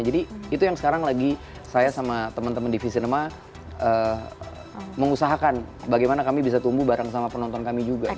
jadi itu yang sekarang lagi saya sama temen temen di vcinema mengusahakan bagaimana kami bisa tumbuh bareng sama penonton kami juga gitu ya